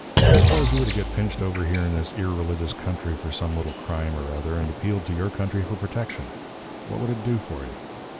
Suppose you were to get pinched over here in this irreligious country for some little crime or other, and appealed to your country for protection what would it do for you?